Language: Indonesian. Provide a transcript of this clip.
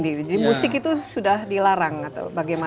jadi musik itu sudah dilarang atau bagaimana